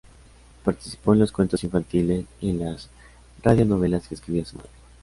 Participó en los cuentos infantiles y en las radionovelas que escribía su madre.